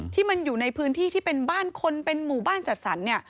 ที่มันอยู่ในพื้นที่ที่เป็นบ้านคนเป็นหมู่บ้านจัดสรรเนี่ย